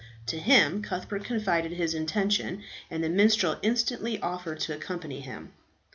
To him Cuthbert confided his intention, and the minstrel instantly offered to accompany him.